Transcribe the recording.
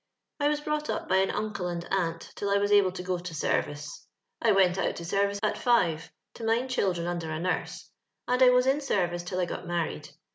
I was brought up by an uncle and aunt till I was able to go to service. I went out to service at five, to mind children under a nurse, and I was in service till I got married.